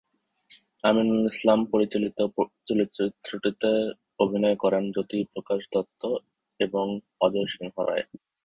আমিনুল ইসলাম পরিচালিত চলচ্চিত্রটিতে অভিনয় করেন জ্যোতিপ্রকাশ দত্ত এবং অজয় সিংহরায়।